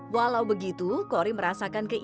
walau begitu kori merasakan keinginan